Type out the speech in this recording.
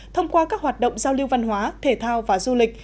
thông qua các hoạt động giao lưu văn hóa thể thao và du lịch